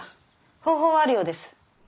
方法はあるようです。